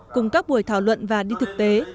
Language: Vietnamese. cùng các buổi thảo luận và đi thực tế